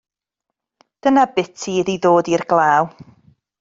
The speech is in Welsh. Dyna biti iddi ddod i'r glaw.